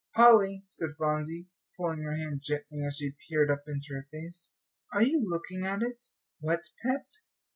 "Polly," said Phronsie, pulling her hand gently, as she peered up into her face, "are you looking at it?" "What, Pet?